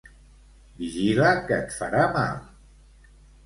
Vigila que et farà mal.